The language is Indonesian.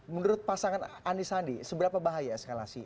menurut pasangan anisandi seberapa bahaya eskalasi